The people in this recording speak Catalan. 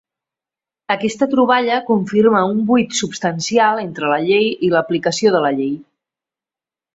Aquesta troballa confirma un buit substancial entre la llei i l'aplicació de la llei.